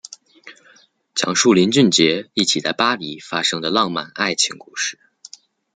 讲述林俊杰一起在巴黎发生的浪漫爱情故事。